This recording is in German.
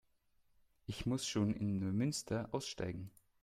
Ich muss schon in Neumünster aussteigen